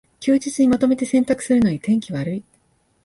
休日にまとめて洗濯するのに天気悪い